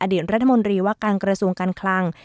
อเดียนรัฐมนตรีว่าการกระทรวงกันคลัง